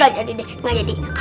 gak jadi deh gak jadi